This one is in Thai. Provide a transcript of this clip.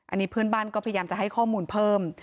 อันนี้เพื่อนบ้านก็พยายามจะให้ข้อมูลเพิ่ม